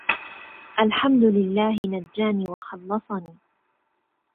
الحمد لله نجاني وخلصني